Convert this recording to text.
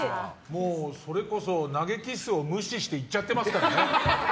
もうそれこそ、投げキッスを無視して行っちゃってますから。